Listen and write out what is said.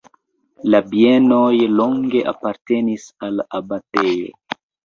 La bienoj longe apartenis al abatejo.